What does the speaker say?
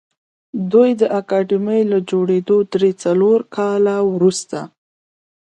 دوی د اکاډمۍ له جوړېدو درې څلور کاله وروسته